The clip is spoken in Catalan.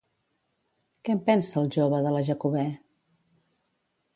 Què en pensa el jove de la Jacobè?